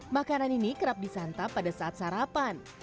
makanan ini kerap disantap pada saat sarapan